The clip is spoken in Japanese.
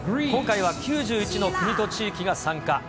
今回は９１の国と地域が参加。